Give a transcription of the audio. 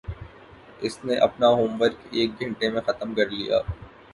اس نے اپنا homework ایک گھنٹے میں ختم کر لیا